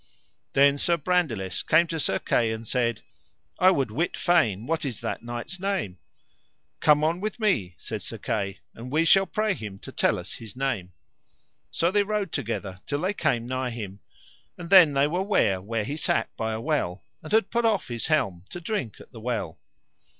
Then Sir Brandiles came to Sir Kay and said: I would wit fain what is that knight's name. Come on with me, said Sir Kay, and we shall pray him to tell us his name. So they rode together till they came nigh him, and then they were ware where he sat by a well, and had put off his helm to drink at the well.